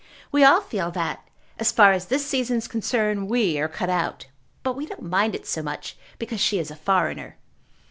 We all feel that, as far as this season is concerned, we are cut out. But we don't mind it so much because she is a foreigner."